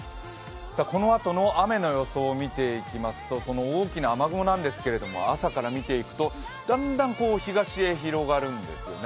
このあとの雨の予想見ていきますと、大きな雨雲なんですけれども、朝から見ていくとだんだん東へ広がるんですね。